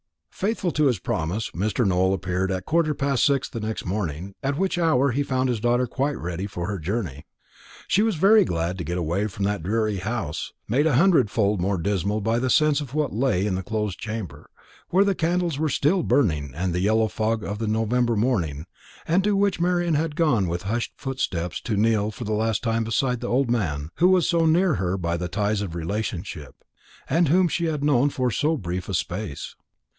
Faithful to his promise Mr. Nowell appeared at a quarter past six next morning, at which hour he found his daughter quite ready for her journey. She was very glad to get away from that dreary house, made a hundredfold more dismal by the sense of what lay in the closed chamber, where the candles were still burning in the yellow fog of the November morning, and to which Marian had gone with hushed footsteps to kneel for the last time beside the old man who was so near her by the ties of relationship, and whom she had known for so brief a space.